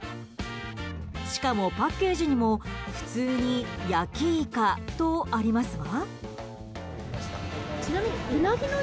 しかもパッケージにも普通に焼いかとありますが。